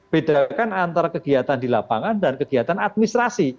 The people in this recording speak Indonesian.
bedakan antara kegiatan di lapangan dan kegiatan administrasi